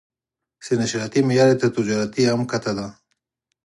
چې نشراتي معیار یې تر تجارتي هم ښکته دی.